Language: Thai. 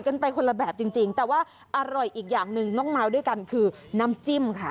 กันไปคนละแบบจริงจริงแต่ว่าอร่อยอีกอย่างหนึ่งน้องเมาด้วยกันคือน้ำจิ้มค่ะ